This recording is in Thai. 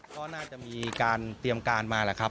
ก็น่าจะมีการเตรียมการมาแหละครับ